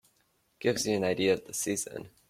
Gives you an idea of the season.